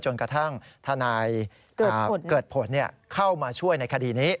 ทนายเกิดผลเข้ามาช่วยในคดีนี้